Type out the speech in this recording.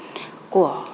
của cơ quan